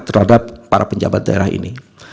terhadap para penjabat daerah ini